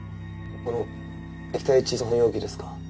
この液体窒素保存容器ですか？